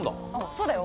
そうだよ。